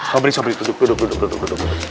sombri sombri duduk duduk duduk duduk